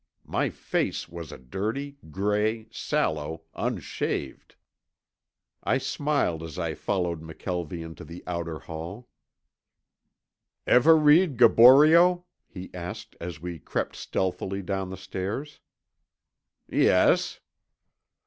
My face was a dirty gray, sallow, unshaved. I smiled as I followed McKelvie into the outer hall. "Ever read Gaboriau?" he asked as we crept stealthily down the stairs. "Yes."